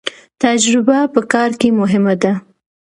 تجربه په کار کې مهمه ده